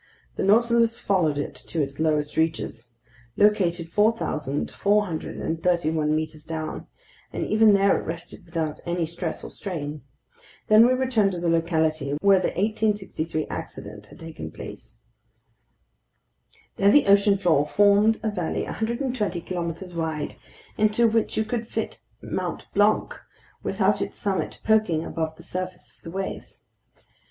The Nautilus followed it to its lowest reaches, located 4,431 meters down, and even there it rested without any stress or strain. Then we returned to the locality where the 1863 accident had taken place. There the ocean floor formed a valley 120 kilometers wide, into which you could fit Mt. Blanc without its summit poking above the surface of the waves.